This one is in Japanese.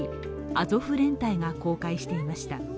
アゾフ連隊が公開していました。